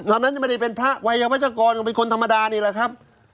นั้นนั้นไม่ได้เป็นพระไว้วัชกรเป็นคนธรรมดานี่แหละครับ